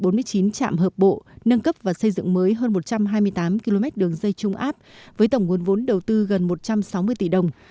bốn mươi chín trạm hợp bộ nâng cấp và xây dựng mới hơn một trăm hai mươi tám km đường dây trung áp với tổng nguồn vốn đầu tư gần một trăm sáu mươi tỷ đồng